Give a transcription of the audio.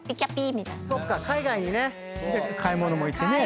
そっか海外にね。で買い物も行ってね。